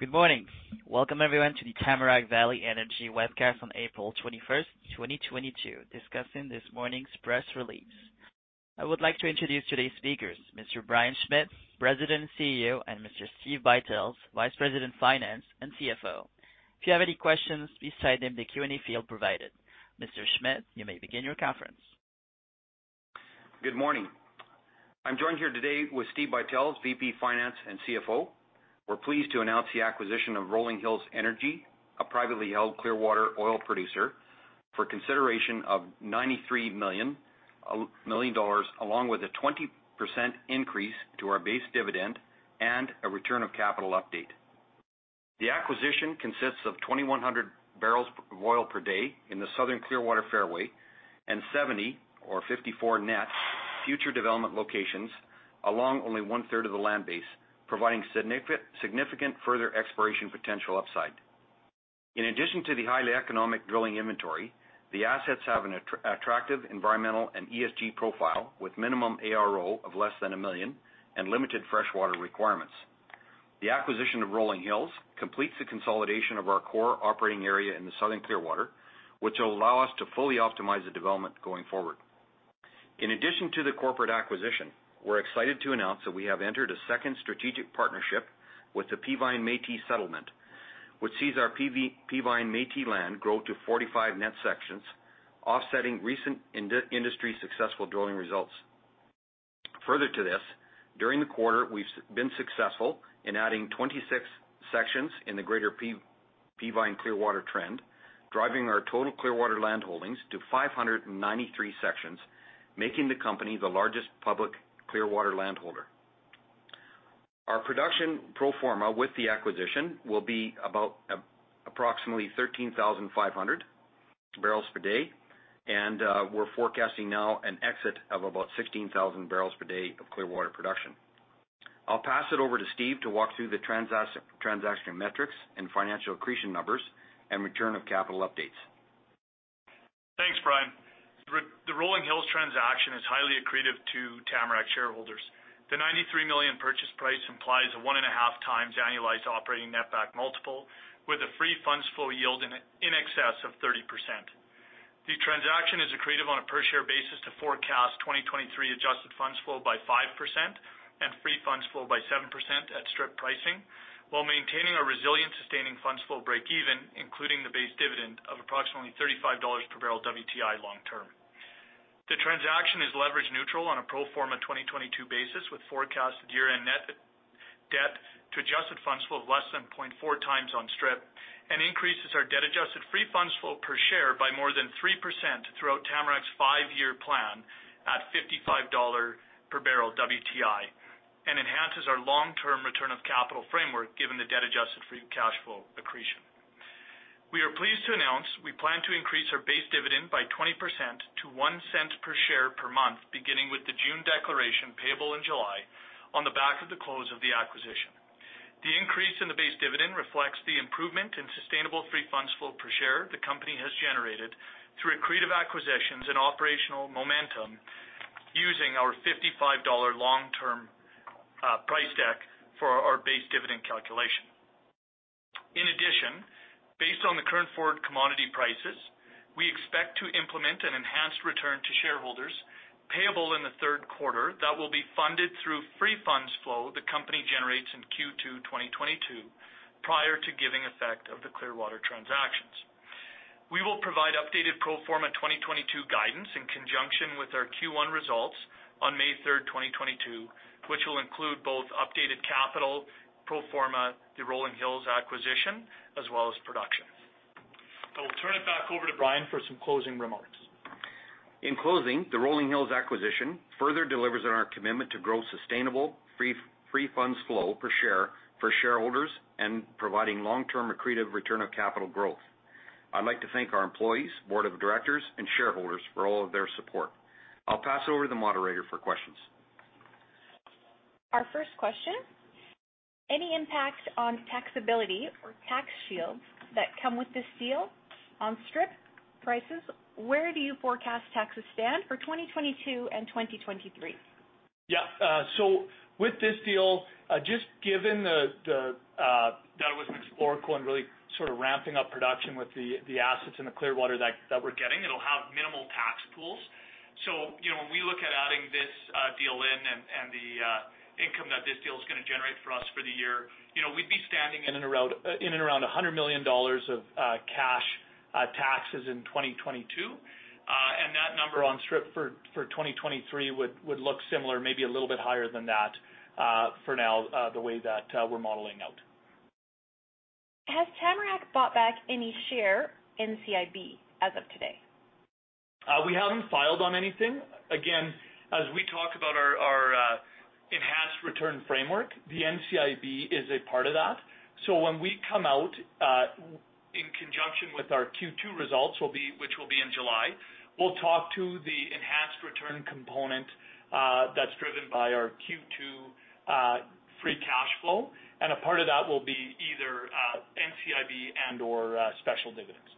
Good morning. Welcome everyone to the Tamarack Valley Energy webcast on April 21st, 2022, discussing this morning's press release. I would like to introduce today's speakers, Mr. Brian Schmidt, President and CEO, and Mr. Steve Buytels, Vice President, Finance and CFO. If you have any questions, please type in the Q&A field provided. Mr. Schmidt, you may begin your conference. Good morning. I'm joined here today with Steve Buytels, VP, Finance and CFO. We're pleased to announce the acquisition of Rolling Hills Energy, a privately held Clearwater oil producer, for consideration of 93 million, along with a 20% increase to our base dividend and a return of capital update. The acquisition consists of 2,100 barrels of oil per day in the Southern Clearwater Fairway and 75 or 54 net future development locations along only 1/3 of the land base, providing significant further exploration potential upside. In addition to the highly economic drilling inventory, the assets have an attractive environmental and ESG profile with minimum ARO of less than 1 million and limited freshwater requirements. The acquisition of Rolling Hills completes the consolidation of our core operating area in the Southern Clearwater, which will allow us to fully optimize the development going forward. In addition to the corporate acquisition, we're excited to announce that we have entered a second strategic partnership with the Peavine Metis Settlement, which sees our Peavine Metis land grow to 45 net sections, offsetting recent industry successful drilling results. Further to this, during the quarter, we've been successful in adding 26 sections in the greater Peavine Clearwater trend, driving our total Clearwater land holdings to 593 sections, making the company the largest public Clearwater landholder. Our production pro forma with the acquisition will be about approximately 13,500 barrels per day, and we're forecasting now an exit of about 16,000 barrels per day of Clearwater production. I'll pass it over to Steve to walk through the transaction metrics and financial accretion numbers and return of capital updates. Thanks, Brian. The Rolling Hills transaction is highly accretive to Tamarack shareholders. The 93 million purchase price implies a 1.5x annualized operating netback multiple with a free funds flow yield in excess of 30%. The transaction is accretive on a per share basis to forecast 2023 adjusted funds flow by 5% and free funds flow by 7% at strip pricing, while maintaining a resilient sustaining free funds flow breakeven, including the base dividend of approximately $35 per barrel WTI long term. The transaction is leverage neutral on a pro forma 2022 basis, with forecast year-end net debt to adjusted funds flow of less than 0.4x on strip and increases our debt adjusted free funds flow per share by more than 3% throughout Tamarack's five-year plan at $55 per barrel WTI, and enhances our long-term return of capital framework given the debt adjusted free cash flow accretion. We are pleased to announce we plan to increase our base dividend by 20% to 0.01 per share per month, beginning with the June declaration payable in July on the back of the close of the acquisition. The increase in the base dividend reflects the improvement in sustainable free funds flow per share the company has generated through accretive acquisitions and operational momentum using our $55 long-term price deck for our base dividend calculation. In addition, based on the current forward commodity prices, we expect to implement an enhanced return to shareholders payable in the third quarter that will be funded through free funds flow the company generates in Q2 2022 prior to giving effect of the Clearwater transactions. We will provide updated pro forma 2022 guidance in conjunction with our Q1 results on May 3, 2022, which will include both updated capital pro forma, the Rolling Hills acquisition, as well as production. I will turn it back over to Brian for some closing remarks. In closing, the Rolling Hills Energy acquisition further delivers on our commitment to grow sustainable free funds flow per share for shareholders and providing long-term accretive return of capital growth. I'd like to thank our employees, board of directors and shareholders for all of their support. I'll pass over to the moderator for questions. Our first question, any impact on taxability or tax shields that come with this deal on strip prices? Where do you forecast taxes stand for 2022 and 2023? Yeah. With this deal, just given the that it was an exploration and really sort of ramping up production with the assets in the Clearwater that we're getting, it'll have minimal tax pools. You know, when we look at adding this deal in and the income that this deal is gonna generate for us for the year, you know, we'd be standing in and around 100 million dollars of cash taxes in 2022. And that number on strip for 2023 would look similar, maybe a little bit higher than that for now, the way that we're modeling out. Has Tamarack bought back any share NCIB as of today? We haven't filed on anything. Again, as we talk about our enhanced return framework, the NCIB is a part of that. When we come out in conjunction with our Q2 results, which will be in July, we'll talk to the enhanced return component that's driven by our Q2 free funds flow. A part of that will be either NCIB and/or special dividends.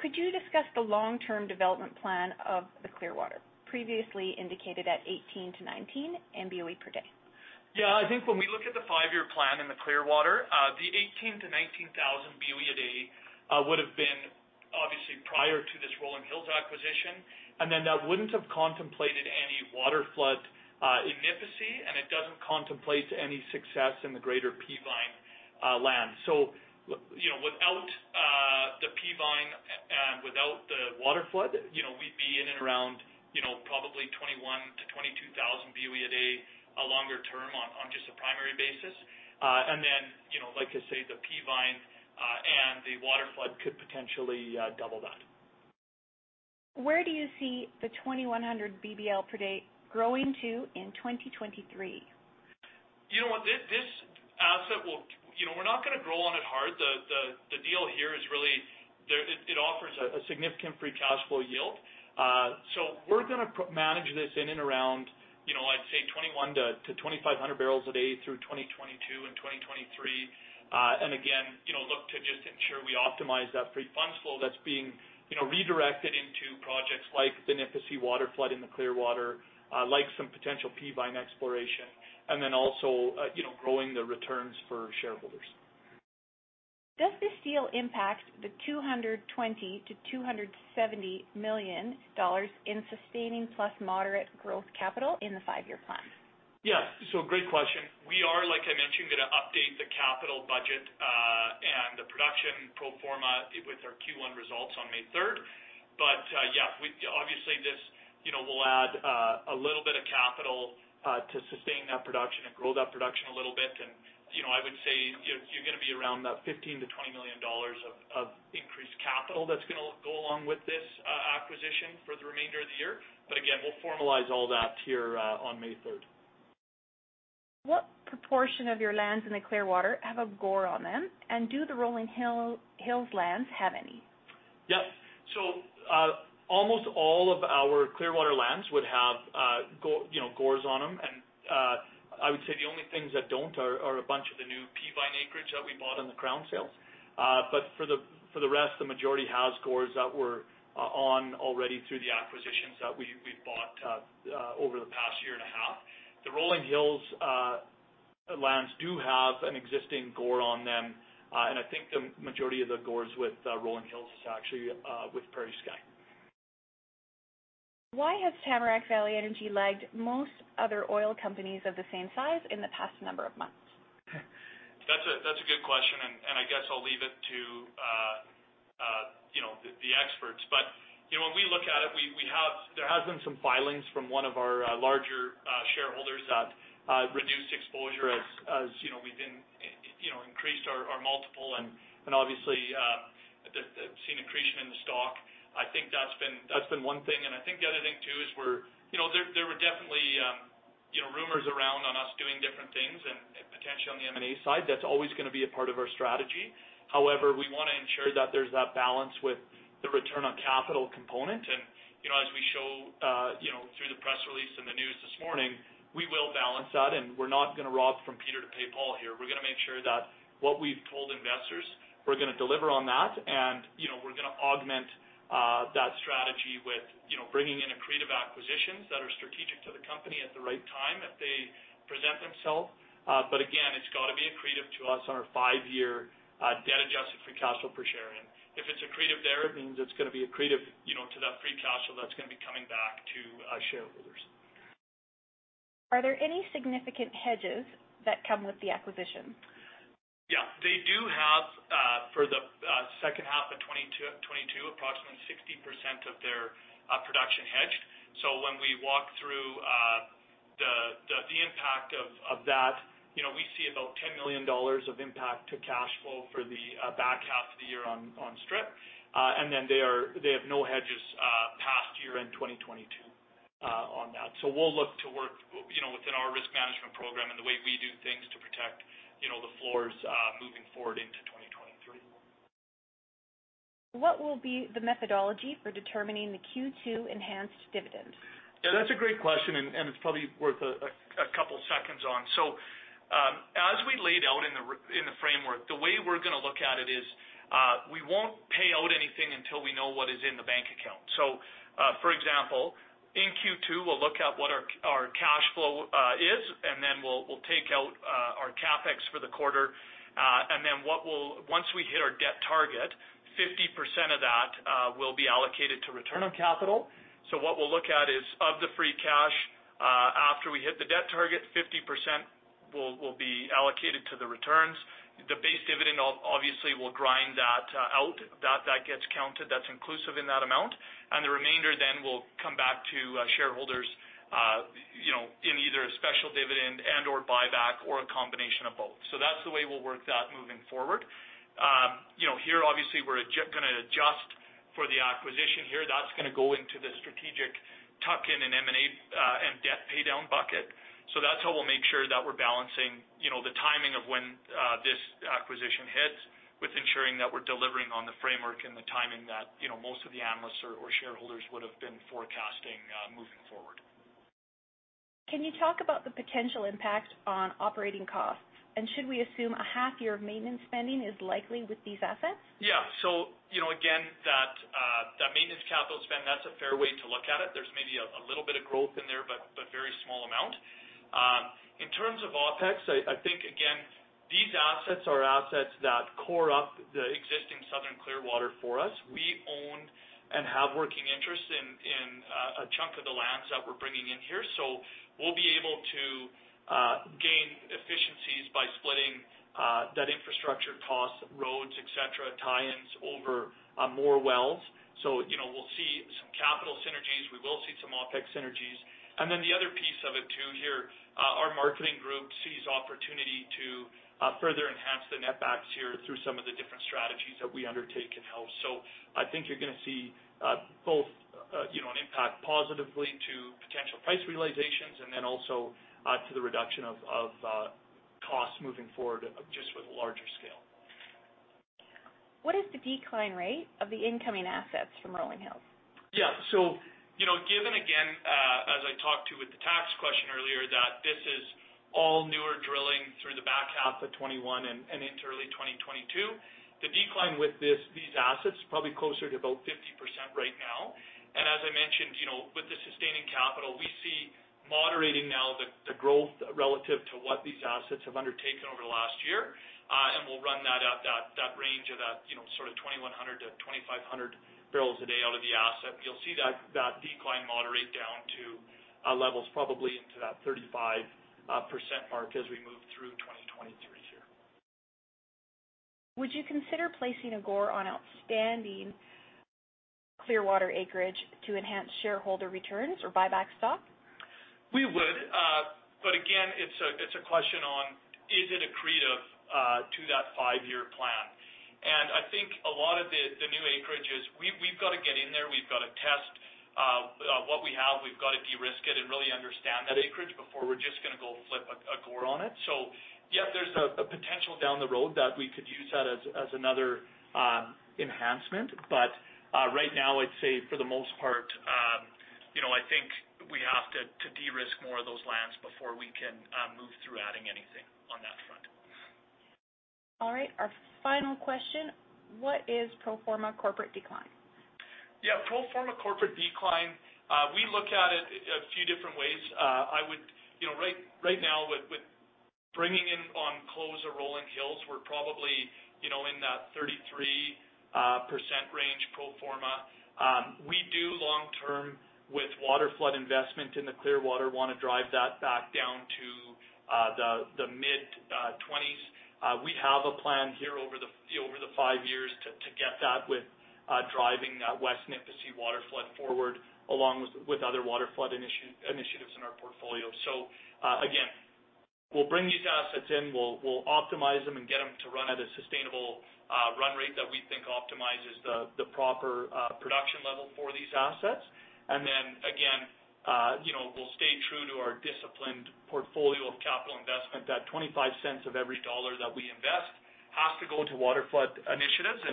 Could you discuss the long-term development plan of the Clearwater previously indicated at 18-19 MBOE per day? Yeah, I think when we look at the five-year plan in the Clearwater, the 18,000-19,000 BOE a day would have been obviously prior to this Rolling Hills acquisition, and then that wouldn't have contemplated any waterflood in Nipisi, and it doesn't contemplate any success in the greater Peavine land. You know, without the Peavine and without the waterflood, you know, we'd be in and around, you know, probably 21,000-22,000 BOE a day longer term on just a primary basis. You know, like I say, the Peavine and the waterflood could potentially double that. Where do you see the 2,100 BBL per day growing to in 2023? You know what? We're not gonna grow on it hard. The deal here offers a significant free funds flow yield. We're gonna manage this in and around, you know, I'd say 2,100-2,500 barrels a day through 2022 and 2023. Again, you know, look to just ensure we optimize that free funds flow that's being, you know, redirected into projects like the Nipisi waterflood in the Clearwater, like some potential Peavine exploration, and then also, you know, growing the returns for shareholders. Does this deal impact the 220 million-270 million dollars in sustaining plus moderate growth capital in the five-year plan? Yes. Great question. We are, like I mentioned, gonna update the capital budget and the production pro forma with our Q1 results on May 3rd. Yeah, we obviously, this you know, will add a little bit of capital to sustain that production and grow that production a little bit. You know, I would say you're gonna be around that 15 million-20 million dollars of increased capital that's gonna go along with this acquisition for the remainder of the year. Again, we'll formalize all that here on May 3rd. What proportion of your lands in the Clearwater have a GORR on them, and do the Rolling Hills lands have any? Yeah. Almost all of our Clearwater lands would have, you know, GORRs on them. I would say the only things that don't are a bunch of the new Peavine acreage that we bought on the Crown sales. For the rest, the majority has GORRs that were on already through the acquisitions that we've bought over the past year and a half. The Rolling Hills lands do have an existing GORR on them. I think the majority of the GORRs with Rolling Hills is actually with Prairie Sky. Why has Tamarack Valley Energy lagged most other oil companies of the same size in the past number of months? That's a good question, and I guess I'll leave it to you know, the experts. You know, when we look at it, there has been some filings from one of our larger shareholders that reduced exposure as you know, we've been you know, increased our multiple and obviously seen accretion in the stock. I think that's been one thing. I think the other thing too is you know, there were definitely you know, rumors around on us doing different things and potentially on the M&A side. That's always gonna be a part of our strategy. However, we wanna ensure that there's that balance with the return on capital component. You know, as we show, you know, through the press release in the news this morning, we will balance that, and we're not gonna rob from Peter to pay Paul here. We're gonna make sure that what we've told investors, we're gonna deliver on that. You know, we're gonna augment that strategy with, you know, bringing in accretive acquisitions that are strategic to the company at the right time if they present themselves. Again, it's gotta be accretive to us on our five-year debt-adjusted free cash flow per share. If it's accretive there, it means it's gonna be accretive, you know, to that free cash flow that's gonna be coming back to shareholders. Are there any significant hedges that come with the acquisition? Yeah. They do have, for the second half of 2022, approximately 60% of their production hedged. When we walk through the impact of that, you know, we see about 10 million dollars of impact to cash flow for the back half of the year on strip. They have no hedges past year-end 2022 on that. We'll look to work, you know, within our risk management program and the way we do things to protect the floors moving forward into 2023. What will be the methodology for determining the Q2 enhanced dividend? Yeah, that's a great question, and it's probably worth a couple seconds on. As we laid out in the framework, the way we're gonna look at it is we won't pay out anything until we know what is in the bank account. For example, in Q2, we'll look at what our cash flow is, and then we'll take out our CapEx for the quarter. Once we hit our debt target, 50% of that will be allocated to return on capital. What we'll look at is of the free cash after we hit the debt target, 50% will be allocated to the returns. The base dividend obviously will grind that out. That gets counted. That's inclusive in that amount. The remainder then will come back to shareholders, you know, in either a special dividend and/or buyback or a combination of both. That's the way we'll work that moving forward. You know, here, obviously we're gonna adjust for the acquisition here. That's gonna go into the strategic tuck-in and M&A and debt paydown bucket. That's how we'll make sure that we're balancing, you know, the timing of when this acquisition hits with ensuring that we're delivering on the framework and the timing that, you know, most of the analysts or shareholders would have been forecasting moving forward. Can you talk about the potential impact on operating costs? Should we assume a half year of maintenance spending is likely with these assets? Yeah. You know, again, that maintenance capital spend, that's a fair way to look at it. There's maybe a little bit of growth in there, but very small amount. In terms of OpEx, I think, again, these assets are assets that core to the existing Southern Clearwater for us. We own and have working interest in a chunk of the lands that we're bringing in here. We'll be able to gain efficiencies by splitting that infrastructure costs, roads, et cetera, tie-ins over more wells. You know, we'll see some capital synergies. We will see some OpEx synergies. Then the other piece of it too here, our marketing group sees opportunity to further enhance the netbacks here through some of the different strategies that we undertake in house. I think you're gonna see both, you know, an impact positively to potential price realizations and then also to the reduction of costs moving forward just with larger scale. What is the decline rate of the incoming assets from Rolling Hills? Yeah. You know, given again, as I talked about with the tax question earlier, that this is all newer drilling through the back half of 2021 and into early 2022. The decline with these assets probably closer to about 50% right now. As I mentioned, you know, with the sustaining capital, we see moderating now the growth relative to what these assets have undertaken over the last year. We'll run that at that range of that, you know, sort of 2,100-2,500 barrels a day out of the asset. You'll see that decline moderate down to levels probably into that 35% mark as we move through 2023 here. Would you consider placing a GORR on outstanding Clearwater acreage to enhance shareholder returns or buy back stock? We would. But again, it's a question on is it accretive to that five-year plan? I think a lot of the new acreages, we've got to get in there. We've got to test what we have. We've got to de-risk it and really understand that acreage before we're just gonna go flip a GORR on it. Yep, there's a potential down the road that we could use that as another enhancement. Right now, I'd say for the most part, you know, I think we have to de-risk more of those lands before we can move through adding anything on that front. All right, our final question. What is pro forma corporate decline? Yeah. Pro forma corporate decline, we look at it a few different ways. You know, right now with bringing in on close of Rolling Hills, we're probably, you know, in that 33% range pro forma. We do long-term with waterflood investment in the Clearwater wanna drive that back down to the mid-20s. We have a plan here over the five years to get that with driving West Nipisi waterflood forward, along with other waterflood initiatives in our portfolio. Again, we'll bring these assets in. We'll optimize them and get them to run at a sustainable run rate that we think optimizes the proper production level for these assets. you know, we'll stay true to our disciplined portfolio of capital investment. That 0.025 Of every dollar that we invest has to go to waterflood initiatives.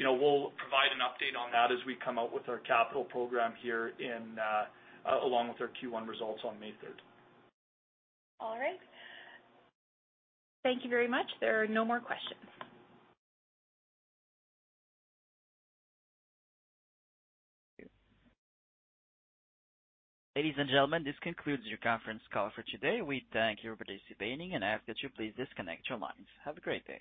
you know, we'll provide an update on that as we come out with our capital program here in, along with our Q1 results on May 3rd. All right. Thank you very much. There are no more questions. Thank you. Ladies and gentlemen, this concludes your conference call for today. We thank you for participating and ask that you please disconnect your lines. Have a great day.